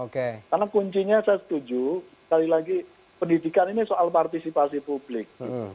karena kuncinya saya setuju sekali lagi pendidikan ini soal partisipasi publik